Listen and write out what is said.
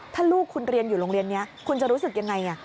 ถ้าลูกคุณเรียนอยู่โรงเรียนนี้คุณจะรู้สึกยังไง